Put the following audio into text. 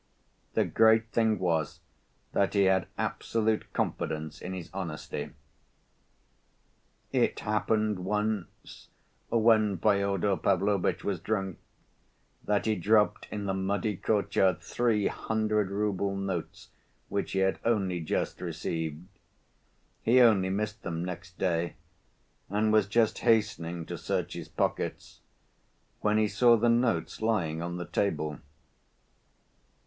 The great thing was that he had absolute confidence in his honesty. It happened once, when Fyodor Pavlovitch was drunk, that he dropped in the muddy courtyard three hundred‐rouble notes which he had only just received. He only missed them next day, and was just hastening to search his pockets when he saw the notes lying on the table.